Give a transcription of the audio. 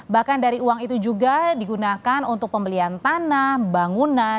bahkan dari uang itu juga digunakan untuk pembelian tanah bangunan